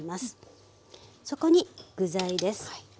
そこに具材です。